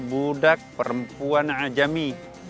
budak perempuan ajami